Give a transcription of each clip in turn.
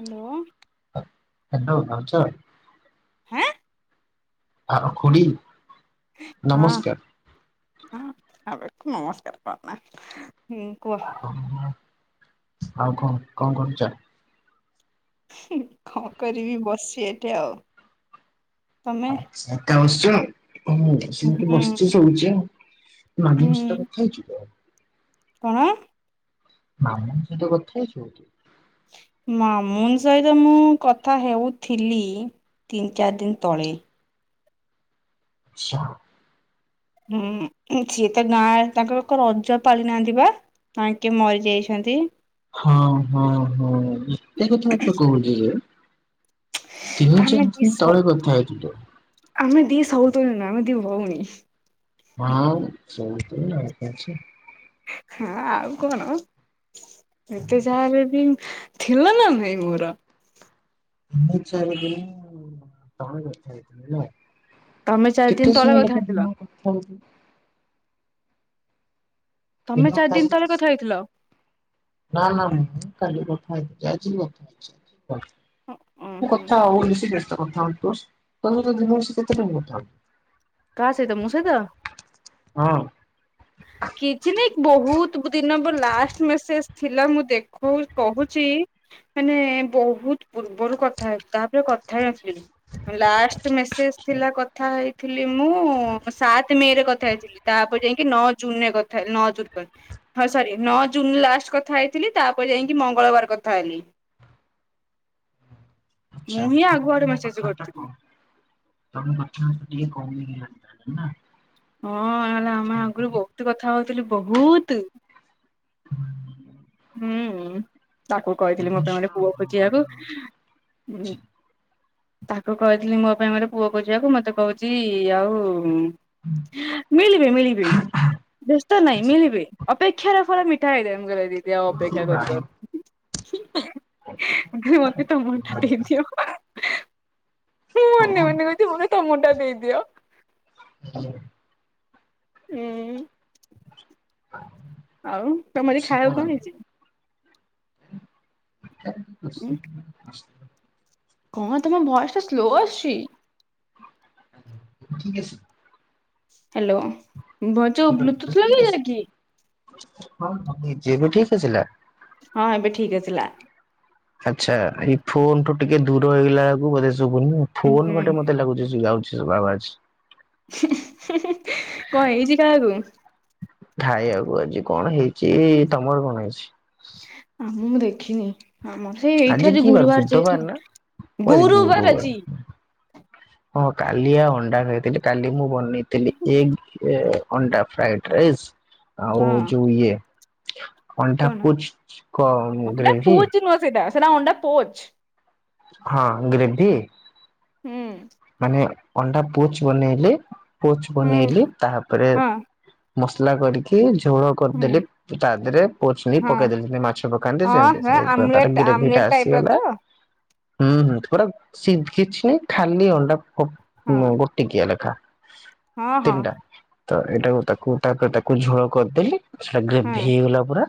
Hello. ହା hello ଭାଉଚ। ହାଁ। ଆଉ ଖୁଡିି। ହଁ। ହଁ ଆଉ ଏତେ ନମସ୍କାର କରନା ହୁଁ କୁହ। ଓ ଆଉ କଣ କଣ କରୁଚ? ହୁଁ କଁ କରିବି ବସି ଏଠି ଆଉ ତମେ? ଏକା ବସିଚ ହୁଁ ସେମିତି ବସିଚି ଶୋଉଚି ଆଉ। [unintelligible] ସହିତ ହୁଁ କଥା ହେଇଚୁତ। କଣ? ମାମାଙ୍କ ସହିତ କଥା ହେଇଚୁ। ମାମୁନ ସହିତ ମୁଁ କଥା ହେଉଥିଲି। ତିନ ଚାରି ଦିନି ତଳେ। ଛା ହୁଁ ସିଏ ତ ଗାଁ ତାଙ୍କର କ ରଜ ପାଳି ନାହାନ୍ତିପା। ତାଙ୍କେ ମରି ଯାଇଛନ୍ତି। ହଁ ହଁ ହଁ ଏତେ କଥା ତ କହୁଥିଲେ। ଆମେ ଦି ସ [unintelligible] ଆମେ ଦି ସଉତୁନି ନୁହେଁ ଆମେ ଦି ଭଉଣୀ। ହଁ ସେମିତି ଆଉ କିଛି ହଁ ଆଉ କଣ ଯେତେ ଯାହା ହେଲେବି ଥିଲ ନା ନାହିଁ ମୋର। ଦି ଚାରି ଦିନି ତଳେ କଥା ହେଇଥିଲେ ନା। ତମେ ଚାରି ଦିନ କେତେ ତଳେ ସମୟ କଥା ଲେଖା ହେଇଥିଲ। ଦିନରେ କଥା ହୋଉଚୁ। ତମେ ଦିନକୁ ଚାରି ତା ଦିନି ତଳେ ସହିତ କଥା ହେଇଥିଲ। ନା ନା ମୁଁ କାଲି କଥା ହେଇଥିଲି ଆଜି ମୁଁ କଥା ଉଁ [unintelligible] ହୁଁ। କଥାହବ ବୋଲି ସିଏ ବେଶୀ ତ କଥା ହୋଉଥିବ ତମସହ ଦିନକୁ ସିଏ କେତେ ଟାଇମ କଥା ହୋଉଚି। କା ସହିତ ମୋ ସହିତ। ହଁ ଆଚ୍ଛା କିଛି ନାଇଁ ବହୁତ ଦିନ ପରେ ଲାଷ୍ଟ ମେସେଜ ଥିଲା ମୁଁ ଦେଖୋ କହୁଚି। ମାନେ ବହୁତ ପୂର୍ବରୁ କଥା ହେ ତାପରେ କଥା ହେଇନି। ଲାଷ୍ଟ ମେସେଜ ଥିଲା କଥା ହେଇଥି ଥିଲି ମୁଁ ସାତ ମେ ରେ କଥା ହେଇଥିଲି ତାପରେ ଯାଇକି ନଅ ଜୁନ ରେ କଥା ହେ ନଅ ଜୁନ କ ହଁ ସରି ନଅ ଜୁନ ଲାଷ୍ଟ କଥା ହେଇଥିଲି ତାପରେ ଯାଇକି ମଙ୍ଗଳବାର କଥା ହେଲି। ମୁଁ ହିଁ ଆଗୁଆଡେ ମେ [unintelligible] ତମେ କଥା ହୋଉଚ ଟିକେ [unintelligible] ହଁ ହେରା ଆମେ ଆଗରୁ ବୋହୁତ କଥା ହଉଥିଲୁ ବୋହୁତ। ହ ହୁଁ ହୁଁ ତାକୁ କହିଥିଲି ମୋ ପାଇଁ ଗୋଟେ ପୁଅ ଖୋଜିବାକୁ। ଠିକ୍ ତାକୁ କହିଥିଲି ମୋ ପାଇଁ ଗୋଟେ ପୁଅ ଖୋଯିବାକୁ ମତେ କହୁଚି ଆଉ ହୁ। ମିଳିବେ ମିଳିବେ ବ୍ୟସ୍ତ ନାଇଁ ଅଛି। ମିଳିବେ ଅପେକ୍ଷାର ଫଳ ମିଠା ହେଇଥାଏ [unintelligible] ସି ଆଉ ଅପେକ୍ଷା କରିିପାରୁ ମତେ ତମ ମଣ୍ଟା ଦେଇଦିଅ। ମୁଁ ମନେ ମନେ କଉଛି ମୋତେ ତମ ଟା ଦେଇଦିଅ। ହ ଉଁ ଆଉ ତମର ଆଜି ଖାଇବାକୁ କଣ ହେଇଚି? [unintelligible] କଣ ତମ ଭଏସ ଟା ସ୍ଲୋ ଆସଛି? [unintelligible] ହ୍ୟାଲୋ ଭ ଯୋଉ ବ୍ଲୁଟୁଥ ଲଗେଇଚ କି? ହଁ ଲଗେଇଚି ଏବେ ଠିକ ଆସିଲା? ହଁ ଏବେ ଠିକ୍ ଏଥିଲା। ଆଚ୍ଛା ଏଇ ଫୋନଠୁ ଟିକେ ଦୂର ହେଇଗଲା ବେଳକୁ ବୋଧେ ଶୁଭୁନି। ହୁଁ। ଫୋନ ବାଟେ ମତେ ଲାଗୁଛି ଯ ଯାଉଛି ବା ଆବାଚ୍। କଣ ହେଇଛି ଖାଇଆକୁ? ଖାଇଆକୁ ଆଜି କଣ ହେଇଛି ତମର କଣ ହେଇଛି? ଆ ମୁଁଁ ଦେଖିନି ଆମର। ସେଇ ହେଇଥିବ ଆଜି କି ବାର ଗୁରୁବାର ଯେହେତୁ ବୁଧବାର ନା ଓ ଆଜି ଗୁରୁବାର ଆଜି। ହଁ କାଲି ଆ ଅଣ୍ଡା ଖାଇଥିଲି କାଲି ମୁଁ ବନେଇଥିଲି ଏଗ୍ ଏ ଅଣ୍ଡା ଫ୍ରାଇଡ଼୍ ରାଇସ ଆଉ ହଁ ଯୋଉ ଇଏ ଅଣ୍ଡା କଣ? ପୁଚ୍ କ ଗ୍ରେଭି। ନ ସେଇଟା। ସେଟା ଅଣ୍ଡା ପୋଚ୍। ହଁ ଗ୍ରେଭି। ହୁଁ। ମାନେ ଅଣ୍ଡା ପୋଚ୍ ବନେଇଲେ ପୁଚ୍ ହୁଁ ବନେଇଲି। ତାପରେ ହଁ ମସଲା କରିକି ଝୋଳ ହୁଁ କରିଦେଲି। ତା ଦେହରେ ପୋଚ ନେଇ ହଁ ପକେଇଦେଲି ଯେ ମାଛ ପକାନ୍ତି ହଁ ହଁ ସେମିତି ତାର ଆମଲେଟ ଗ୍ରେଭି ଆମଲେଟ ଟା ଟାଇପ ର ତ ଆସିଗଲା। ହୁଁ ହୁଁ ପୁରା ଶିଭିଛି ଖାଲି ଅଣ୍ଡା ଗ ହଁ ଗ ଟିକିଏ ଲେଖା ହଁ ହଁ ତିନିଟା ତ ଏଇଟାକୁ ତାକୁ ତାପରେ ତାକୁ ଝୋଳ କରିଦେଲି। ସେଟା ଗ୍ରେଭି ହଁ ହେଇଗଲା ପୁରା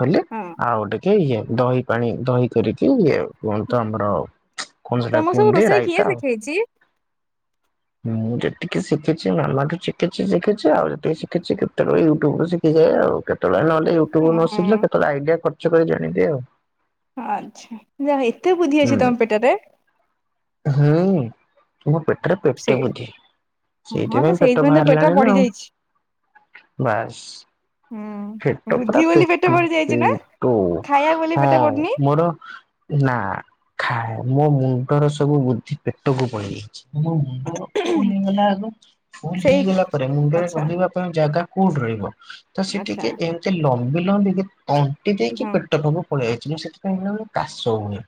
କଲି ହଁ ଆଉ ଗୋଟେ କି ଇଏ ଦହି ପାଣି ଦହି କରିକି ଇଏ କୁହନ୍ତି ତ ଆମର କଣ ସେଟା କୁହନ୍ତି ରାଇତା। କିଛିି ହୁଁ ଯେତିକି ଶିଖିଛି ମାମାଠୁ ଶିଖିଛି ଶିଖିଛି ଆଉ ଯେତିକି ଶିଖିଛି କେତେକ ୟୁଟୁବ ଶି କି ଯାଏ ଆଉ କେତେବେଳେ ନହଲେ ୟୁଟ୍ୟୁବୁରୁ ନ ଶିଖିଲେ ହଁ କେତେବେଳେ ଆଇଡ଼ିଆ ଖର୍ଚ୍ଚ କରି ଜାଣିଦିଏ ଆଉ। ଆଚ୍ଛା ଯା ହଉ ଏତେ ବୁଦ୍ଧି ଅଛି ହୁଁ ତମ ପେଟରେ। ହୁଁ। ମୋ ପେଟରେ ସେ ପେଟେ ବୁଦ୍ଧି ହଁ ତ ସେଇଥିପାଇଁ ପେଟ ତ ବାହାରିଲାଣି ନା ବଢି ଆଉ। ଯାଇଛି ବାସ୍। ହୁଁ। ପେଟ ପୁରା ବୁଦ୍ଧି ବୋଲି ପେଟ ପେଟୁ ବଢି ଯାଇଛି ନା ପେଟୁ ଖାଇବା ବୋଲି ହଁ ପେଟ ବଢିନି ମୋର ନା ଖାଏ ମୋ ମୁଣ୍ଡର ସବୁ ବୁଦ୍ଧି ପେଟକୁ ପଳିଆଇଚି। ମୁଣ୍ଡ ଫୁଲ ହେଇଗଲା ଆଗ ଫୁଲ ସେଇ ହେଇଗଲା ପରେ ମୁଣ୍ଡରେ ଆଚ୍ଛା ରହିବା ତମ ଜାଗା କୋଉଠି ରହିବ ତ ସେ ଆଚ୍ଛା ଟିକେ ଏମତି ଲମ୍ବି ଲମ୍ବିକି ତଣ୍ଟି ଦେଇକି ହଁ ପେଟ ପାଖକୁ ପଳିଆଇଚି ତ ସେଥିପାଇଁ କଣ କହିଲୁ କାଶ ହଉନି।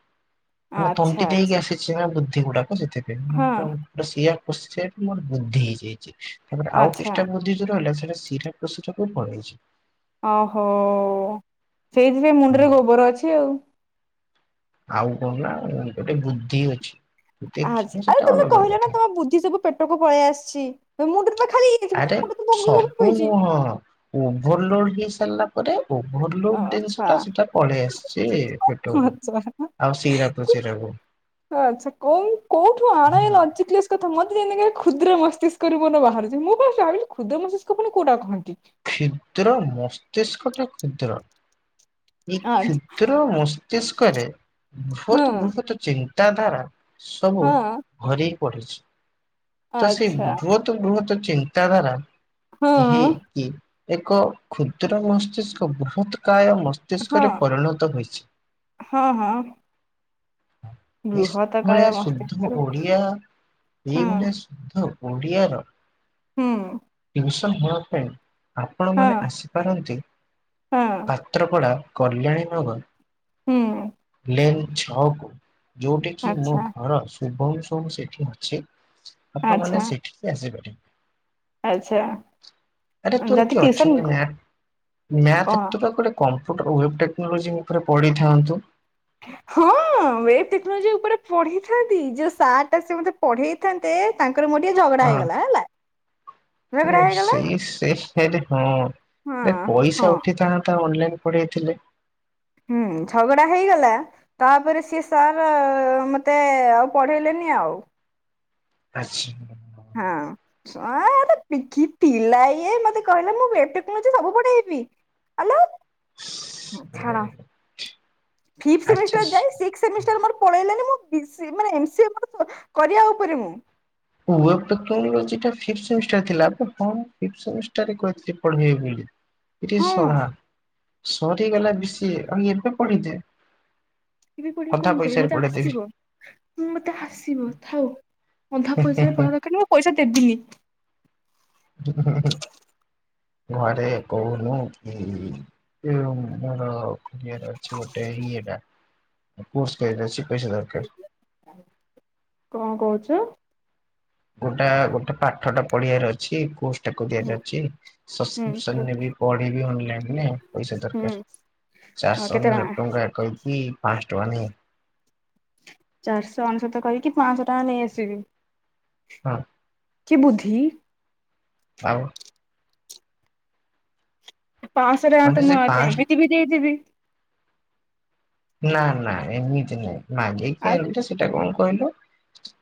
ମାନେ ତଣ୍ଟି ଆଚ୍ଛା ଦେଇକି ଆଚ୍ଛା ଆସିଛିନା ବୁଦ୍ଧି ଗୁଡାକ ସେଥିପାଇଁ ହଁ ପୁରା ସିଆ ପଶିଆ ମୋର ବୃଦ୍ଧି ହେଇଯାଇଛି ତାପରେ ଆଉ ଆଚ୍ଛା କିଛିଟା ବୁଦ୍ଧି ଯୋ ରହିଲା ସେଟା ଶିରା ପ୍ରଶୀରାକୁ ପଳେଇଛି। ଓହୋ ସେଇଥିପାଇ ମୁଣ୍ଡରେ ଗୋବର ଅଛି ଆଉ। ଆଉ କଣ ନା ଗୋଟେ ବୁଦ୍ଧି ଅଛି। ଆଜ୍‌ ଦେଖିନି ଆରେ ସେଟା ତମେ ଅଲଗା କହିଲ କଥା। ନା ତମ ବୁଦ୍ଧି ସବୁ ପେଟକୁ ପଳେଇ ଆସିଛି ମୁଁଣ୍ଡରେ ତ ଖାଲି ହେଇଯାଇଥିବ ନା ଆରେ ମୁଣ୍ଡ ତ ଭୋଗ ଗୋବର ସବୁ ପଇଛି ନୁହଁ ଓଭର ଲୋଡ ହେଇ ସାରିଲା ପରେ ଓଭରଲୋଡ ଜିନିଷ ଆଚ୍ଛା ଟା ସେଟା ପଳେଇ ଆସିଛି ପେଟକୁ ଆଚ୍ଛା ଆଉ ସିରା ପ୍ରଶୀରାକୁ। ଆଚ୍ଛା କୋଉ କୋଉଠୁ ଆଣେଏ ଲଜୀକ ଲିସ ତ ଏଥିରେ ଏଇନକେ କ୍ଷୁଦ୍ର ମସ୍ତିଷ୍କ ରୁ ବୋଧେ ବାହାରୁଛି ମୁଁ ପା ଭାବିଲି କ୍ଷୁଦ୍ର ମସ୍ତିଷ୍କ ପୁଣି କୋଉଟାକୁ କହନ୍ତି? କ୍ଷୁଦ୍ର ମସ୍ତିଷ୍କ ଟା କ୍ଷୁଦ୍ର ଏଇ ଆଚ୍ଛା କ୍ଷୁଦ୍ର ମସ ମସ୍ତିଷ୍କରେ ହଁ ବୃହତ୍ ବୃହତ୍ ଚିନ୍ତା ଧାରା ସବୁ ହଁ ଭରି ହେଇକି ପଡିଛି ତ ସେଇ ଆଚ୍ଛା ବୃହତ ବୃହତ ଚିନ୍ତାଧାରା ହଁ ହେ କି ଏକ କ୍ଷୁଦ୍ର ମସ୍ତିଷ୍କ ବୄହୁତ କାୟ ମସ୍ ହଁ ମସ୍ତିଷ୍କରେ ପରିଣତ ହୋଇଛି। ହଁ ହଁ ବୃହତ ଏଭଳିଆ କାୟ ଶୁଦ୍ଧ ମସ୍ତିଷ୍କରୁ ଓଡ଼ିଆା ଏ ହଁ ଭଳି ତ ଓଡ଼ିଆ ର ହୁଁ। [unintelligible] ହେବା ପାଇଁ ଆପଣ ହଁ ମାନେ ଆସିପାରନ୍ତି। ହଁ ତ୍ରପଡ଼ା କଲ୍ୟାଣୀ ନଗର ହୁଁ। ଏମ୍ ଛ କୁ ଯୋଉଠି କି ମୋ ଆଚ୍ଛା ଘର ଶୁଭଶ ସେଠି ଅଛି ଆପଣ ଆଚ୍ଛା ମାନେ ସେଠିକି ଆସିପାରିବେ। ଆଚ୍ଛା। ଆରେ ତୋର ଯଦି କିଏ ଟିଉସନ ଅଛନ୍ତି ନା ମ୍ୟାଥ କଣ କ୍ଷେତ୍ର ଉପରେ କମ୍ପ୍ୟୁଟର ୱେବ୍ ଟେକ୍ନୋଲୋଜି ଉପରେ ପଢ଼ିଥାନ୍ତୁ। ହଁ ୱେବ ଟେକ୍ନୋଲୋଜି ଉପରେ ପଢେଇଥାନ୍ତି ଯୋଉ ସାର୍ ଟା ସେ ମତେ ପଢେଇ ଥାନ୍ତେ ତାଙ୍କର ମୋ ଟେ ଝଗଡା ହେଇଗଲା ହେଲା। ଝଗଡା ଏ ହେଇଗଲା ସେଇ ସେଇ ସେର ହଁ। ଏ ହଁ ହଁ ପଇସା ଉଠିଥାନ୍ତା ଅନଲାଇନ ପଢେଇଥିଲେ। ହୁଁ ଝଗଡା ହେଇଗଲା। ତାପରେ ସିଏ ସାର୍ ମତେ ଆଉ ପଢେଇଲେନି ଆଉ। ଆଛା ହଁ। ସଆଁ କି ପିଲା ଇଏ ମତେ କହିଲା ମୁଁ ଏତେ ପଡିଛି ସବୁ ପଡେଇ ବି। ହଲୋ ଛାଣ। ଫିଫ୍ ସେମିଷ୍ଟାର ଆଚ୍ଛା। ଯାଇ ସିକ୍ସ ସେମିଷ୍ଟର ମୋର ପଳେଇଲାଣି ମୁଁ ପିସି ମାନେ ଏମିସ୍‌ କରିବା ଉପରେ ମୁଁ [unintelligible] ପଢେଇଵେ ବୋଲି ରେ ହଁ ସଳା ସରିଇଗଲା ବି ସି ଏ ଆମେ ଏବେ ପଡ଼ିଛେ। ଇବେ ପଢ଼ିକି କଣ କରିବି ମତେ ଆସିବ। ଉଁ ମତେ ଆସିବ ଥାଉ, ଅଧା ପଇସାରେ ଫଳ ଦରକାର ନାଇଁ ମୁଁ ପଇସା ଦେବିନି। ଘରେ କହୁନୁ କି? ଏଇ ଯୋଉ ମୋର ଅଛି ଖୋଲିବାର ଅଛି ଗୋଟେ ଇଏଟା। କୋର୍ସ ପାଇଁ ବେଶୀ ପଇସା ଦରକାର। କଣ କହୁଛୁ? ଗୋଟା ଗୋଟେ ପାଠ ଟା ପଢ଼ିବାର ଅଛି କୋର୍ସ ଟା ହୁଁ କରିବାର ଅଛି ହୁଁ ସବକ୍ରିପସନରେ କୁ ନେବି ପଢ଼ିବି ଅନଲାଇନ ରେ ପଇସା ହୁଁ ଦରକାର। ଚାରି ଆଉ ଶହ କେତେ ଅନେଶ୍ୱତ ଟଙ୍କା କହିକି ପାଁସ୍ ଟଙ୍କା ନିଏ। ଚାରିଶହ ଅନେଶତ କହିକି ପାଁଶହ ଟଙ୍କା ନେଇଆସିବି। ହଁ। କି ବୁଦ୍ଧି? ଆଉ। ପାଁସ ଟଙ୍କା ମାନେ ତ ସେ ମୁଁ ଆ ତ ପାଁଶ ଏମିତି ବି ଦେଇଦେବି। ନା ନା ଏମିତି ନାଇଁ ମାଗିକି ଆଉ ଆଣିଲେ ସେଇଟା କଣ କହିଲୁ?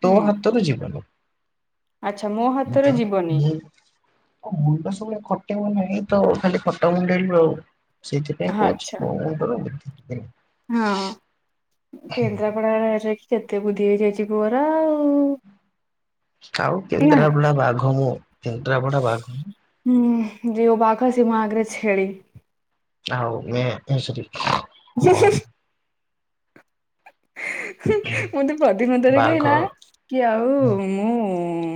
ତୋ ହୁଁ ହାତରୁ ଯିବନି ଆଚ୍ଛା ମୋ ହାତରେ ଯିବନି [unintelligible] ମୁଣ୍ଡ ସବୁବେଳେ ଖଟେଇବ ନାହିଁ ତ ଖାଲି ଖଟ ମୁଣ୍ଡେଇଲୁ ଆଉ। ସେଇଥିପାଇଁ କହୁଛି ଆଚ୍ଛା ମୋ ମୁଣ୍ଡରୁ ବୁଦ୍ଧି ନେ। ହଁ, କେନ୍ଦ୍ରାପଡ଼ାରେ ରହିକି କେତେ ବୁଦ୍ଧି ହେଇଯାଇଛି ପୁଅର ଆଉ। ଆଉ ନା କେନ୍ଦ୍ରାପଡ଼ା ବାଘ ମୁଁ କେନ୍ଦ୍ରାପଡ଼ା ବାଘ ମୁଁ। ଉଁ ହୁଁ ଯେଉ ବାଘ ସେ ମୋ ଆଗରେେ ଛେଳି। ହୋଉ ମେ ଘୁଷୁରୀ। [unintelligible] ମୁଁ ତୋ ପ୍ରଦିମତରେ ବାଘ କହିଲି ନା କି ଆଉ ମୁଁ ମୁଁ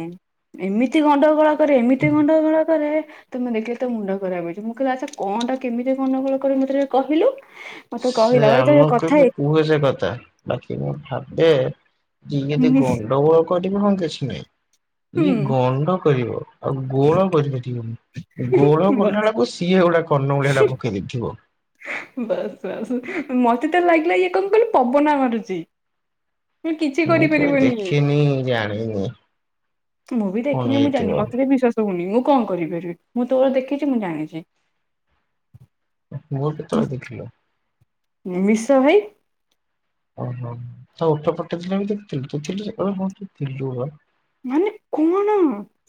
ଏମିତି ଗଣ୍ଡଗୋଳ କରେ ଏମିତି ଗଣ୍ଡଗୋଳ କରେ ତମେ ଦେଖିଲେ ତମ ମୁଣ୍ଡ ଖରାପ ହେଇଯିବ ମୁଁ କହିଲି ଆଚ୍ଛା କଣଟା କେମିତି ଗଣ୍ଡୋଗୋଳ କରେ ମତେ ଟିକେ କହିଲୁ। ମତେ ସେ କହିଲା ଭାଇ ତ ଆମକୁ କଥା ବି ହେଇ କୁହେ ସେ କଥା। ବାକି ମୁଁ ଭାବେ ଯେ ଇଏ ଯଦି ହୁଁ ଗଣ୍ଡଗୋଳ କରିବ ହଁ କିଛି ନାହିଁ। ଇଏ ଗଣ୍ଡ କରିବ ଆଉ ଗୋଳ କରି ପାରିବନି। ଗୋଳ କଲା ବସ୍ ବେଳକୁ ସିଏ ଗୋଟା କନ୍ନମୂଳିଆ ଟା ପକେଇ ଦେଇଥିବ। ବାସ୍ ବାସ୍ ମତେ ତ ଲାଗିଲା ଇଏ କଣ କହିଲୁ ପବନା ମାରୁଛି। କିଛି ମୁଁ କେବେ କରିପାରିବନି ଇଏ ଦେଖିନି ଜାଣିନି। ମୁଁ ବି ପୁଣି ଦେଖିନି ମୁଁ ହେଇଥିବ ଜାଣିନି ମତେ ବିଶ୍ୱାସ ହୋଉନି ମୁଁ କଣ କରିବି ପାରିବି ମୁଁ ତୋର ଦେଖିଛି ମୁଁ ଜାଣିଛି। ମୋର କେତେବେଳେ ଦେଖିଲ? ମିଶ ଭାଇ। ଓହୋ ତା ଓଠ ପଟେ ତୁ ଯାଇକି ଦେଖୁଥିଲୁ ତୁ ଥିଲୁ ସେତେବେଳେ [unintelligible] ଥିଲୁ ରହ। ମାନେ କଣ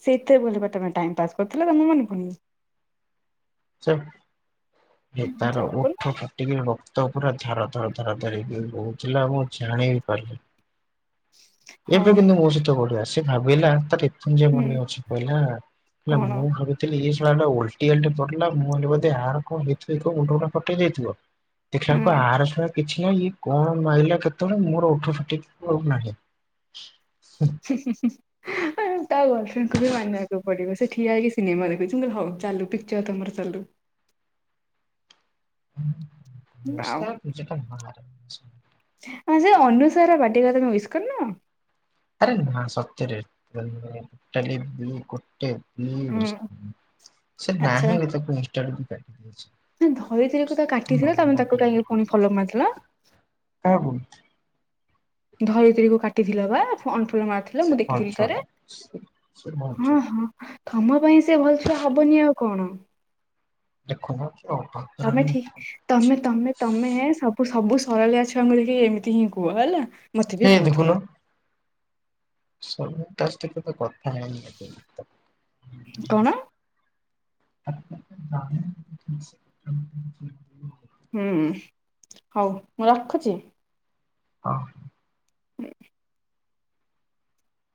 ସେତେବେଳେ ପା ତମେ ଟାଇମ ପାସ୍ କରୁଥିଲ ତମର ମନେ ପଡ଼ୁନି? ଚା ହେ ତାର ଓଠ ଫ ଟିକି ରକ୍ତ ପୁରା ଧାର ଧାର ଧାର ଧାର ହେଇକି [unintelligible] ବୋହୁଥିଲା ମୁଁ ଜାଣିିବି ପାରିଲିନି। ହଁ ଏବେ ଦିନେ ମୋ ସହିତ ଘଟିଲା ସେ ଭାବିଲା ତା ପି [unintelligible] ହୁଁ ମନେ ଅଛି କହିଲା। କହିଲା କଣ ମୁଁ ଭାବୁଥିଲି ଏ ଶଳା ଟା ଓଲ୍ ଟିଆ ଟା ପଡ଼ିଲା ମୁଁ କହିଲି ବୋଧେ ଆର କଣ ହେଇଥିବ କି କଣ ମୁଣ୍ଡ ଫୁଣ୍ଡ ଫଟେଇ ଦେଇଥିବ। ଦେଖିଲା ବେଳକୁ ହୁଁ। ଆର ଶଳା କିଛି ହେଇନି ଇଏ କଣ ମାଇଲା କେତେବେଳେ ମୋର ଓଠ ଫାଟିକି [unintelligible] ଆଉ ନାହିଁ ହୁଁ। [inaudible] ତା ବୟଫ୍ରେକୁ ବି ମାନିବାକୁ ପଡିବ ସେ ଠିଆ ହେଇକି ସିନେମା ଦେଖୁଚି ହଉ ଚାଲୁ ପିକଚର ତମର ଚାଲୁ। [unintelligible] ଆଁ ସେ ଅନୁସାର ବାଡେ ପା ତମେ ଉଇସ କରିନ? ଆରେ ନାଁ ସତରେ ପଟଲି ବି ଗୋଟେ ହୁଁ ସେ ନାହିଁ ତାକୁ [unintelligible] ନାଁ ଧରିତ୍ରୀରେ କୁ ତ କାଟିଥିଲା ତମେ ତାକୁ କାହିଁକି ପୁଣି ଫଲ ମାରଥିଲା? [unintelligible] ଧରିତ୍ରୀକୁ କାଟିଥିଲ ବା ଅନ ଫଲ ମାରି ଥିଲ ସେ ମୁଁ ଭଲ ଦେଖିଥିଲି ଥରେ ଛୁଆଟା ସେ ଭଲ ଛୁଆ। ହଁ ହଁ। ତମ ପାଇଁ ସେ ଭଲ ଛୁଆ ହବନି ଆଉ କଣ? ଦେଖୁନ। ତମେ ଅଭଦ୍ରାମି ଠିକ ତମେ ତମେ ତମେ ସବୁ ସବୁ ସରଳିଆ ଛୁଆଙ୍କୁ ଦେଖିକି ଏମିତି ହିଁ କୁହ ହେଲା। ମୋତେ ହେ ବି କରହୁଥିଲ। ସ ତାଶଥ ତ କଥା ହେନି ଏ କଣ [unintelligible] ହୁଁ ହଉ ମୁଁ ରଖୁଚି? ହଁ।